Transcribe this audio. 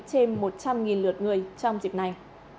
trên một trăm linh lượt người trong dịp này